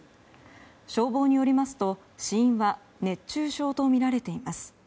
消防によりますと死因は熱中症とみられています。